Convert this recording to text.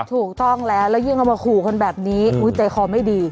ถูกต้องแล้วแล้วยิ่งเอามาขู่กันแบบนี้ใจคอไม่ดี